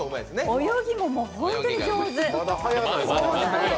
泳ぎも本当に上手。